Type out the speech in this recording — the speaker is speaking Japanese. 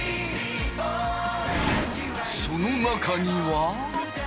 その中には。